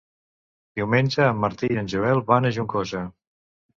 Diumenge en Martí i en Joel van a Juncosa.